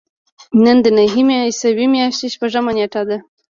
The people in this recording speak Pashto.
نن د نهمې عیسوي میاشتې شپږمه نېټه ده.